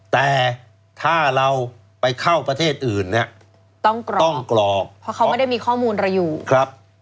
แต่ถ้าเราไปเข้าประเทศอื่นต้องกรอกเพราะเขาก็ไม่ได้มีข้อมูลเราอยู่